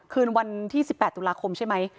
คืนวันที่๑๘ตุลาคมใช่ไหม